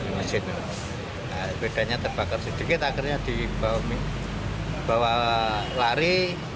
mesinnya bedanya terbakar sedikit akhirnya dibawa lari